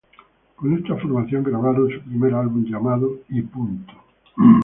Con esta formación grabaron su primer álbum llamado "Y punto".